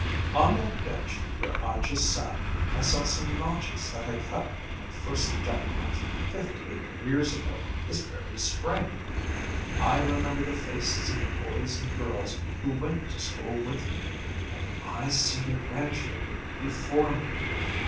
On that bench where I just sat I saw some notches that I cut with my first jackknife fifty eight years ago this very spring. I remember the faces of the boys and girls who went to school with me, and I see their grandchildren before me.